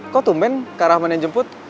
kok tumben kak rahman yang jemput